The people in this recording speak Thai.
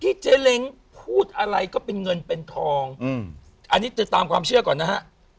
เจ๊เล้งพูดอะไรก็เป็นเงินเป็นทองอืมอันนี้จะตามความเชื่อก่อนนะฮะ